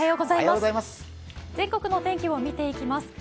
全国のお天気をみていきます。